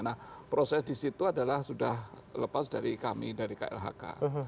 nah proses di situ adalah sudah lepas dari kami dari klhk